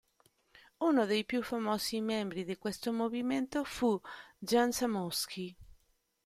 Uno dei più famosi membri di questo movimento fu Jan Zamoyski.